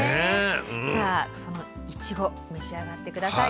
さあそのいちご召し上がって下さい。